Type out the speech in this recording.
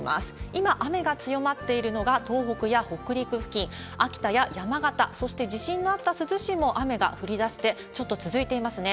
今、雨が強まっているのが、東北や北陸付近、秋田や山形、そして地震のあった珠洲市も雨が降りだして、ちょっと続いていますね。